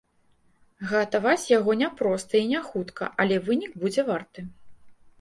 Гатаваць яго не проста і не хутка, але вынік будзе варты.